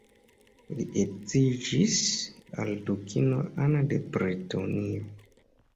Li edziĝis al dukino Ana de Bretonio.